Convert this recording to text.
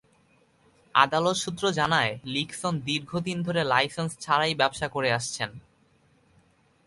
আদালত সূত্র জানায়, লিকসন দীর্ঘদিন ধরে লাইসেন্স ছাড়াই ব্যবসা করে আসছেন।